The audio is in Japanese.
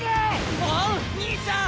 おん兄ちゃん！